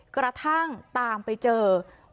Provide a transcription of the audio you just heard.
กระทั่งตามไปเจอ